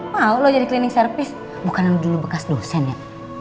wow lo jadi cleaning service bukan dulu bekas dosen ya